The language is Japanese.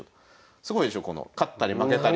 すごいでしょこの勝ったり負けたり。